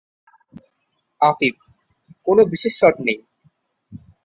আফিফ: কোনো বিশেষ শট নেই।